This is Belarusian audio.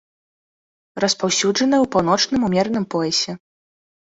Распаўсюджаная ў паўночным умераным поясе.